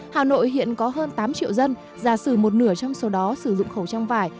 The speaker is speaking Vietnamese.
hà nội hiện có hơn tám triệu dân giả sử một nửa trong số đó sử dụng khẩu trang vải